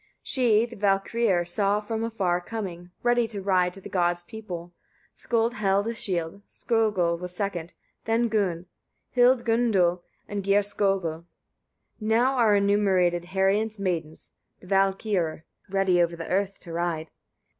24. She the Valkyriur saw from afar coming, ready to ride to the god's people: Skuld held a shield, Skögul was second, then Gunn, Hild Göndul, and Geirskögul. Now are enumerated Herian's maidens, the Valkyriur, ready over the earth to ride.